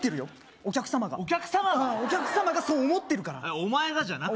お客様がお客様がお客様がそう思ってるからお前がじゃなくて？